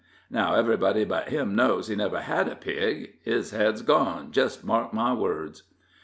Now everybody but him knows he never had a pig. His head's gone, just mark my words."